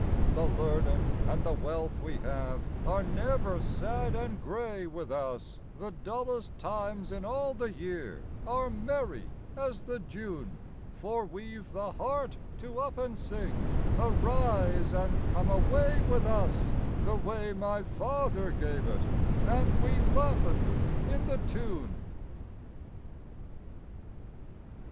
The learnin' an' the wealth we have are never sad an' gray with us, The dullest times in all the year are merry as the June: For we've the heart to up an' sing "Arise, an' come away with us," The way my father gave it, an' we laughin' in the tune.